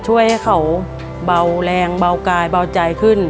ช่วยให้เขาเบาแรงเบาใจขึ้น